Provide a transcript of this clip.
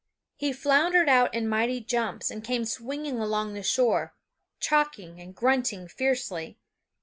He floundered out in mighty jumps and came swinging along the shore, chocking and grunting fiercely.